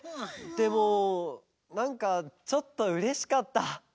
でもなんかちょっとうれしかった。